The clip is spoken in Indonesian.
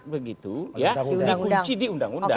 begitu ya dikunci di undang undang